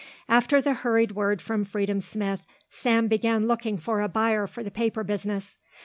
After the hurried word from Freedom Smith, Sam began looking for a buyer for the paper business.